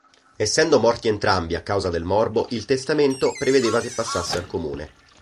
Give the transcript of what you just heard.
Essendo morti entrambi a causa del morbo, il testamento prevedeva che passasse al comune.